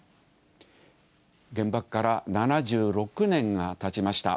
原爆から７６年がたちました。